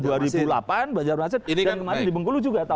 dan kemarin di bengkulu juga